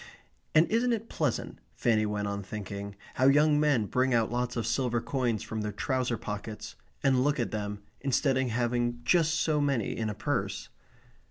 And isn't it pleasant, Fanny went on thinking, how young men bring out lots of silver coins from their trouser pockets, and look at them, instead of having just so many in a purse?